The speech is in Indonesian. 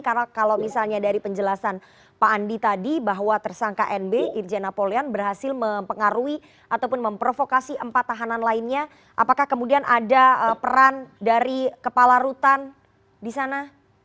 karena kalau misalnya dari penjelasan pak andi tadi bahwa tersangka nb irjen napoleon berhasil mempengaruhi ataupun memprovokasi empat tahanan lainnya apakah kemudian ada peran dari kepala rutan di sana